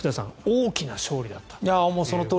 大きな勝利だったと。